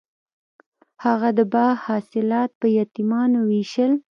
هغه د باغ حاصلات په یتیمانو ویشل.